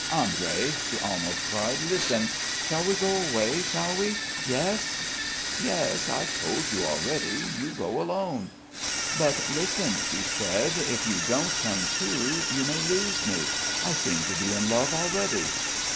"Andrey," she almost cried. "Listen. Shall we go away? Shall we? Yes?" "Yes.... I've told you already. You go alone." "But listen," she said, "if you don't come too, you may lose me. I seem to be in love already."